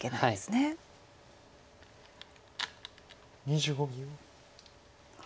２５秒。